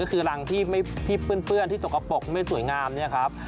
ก็คือรังที่เปื้อนที่สกปรกไม่สวยงามเนี่ยครับ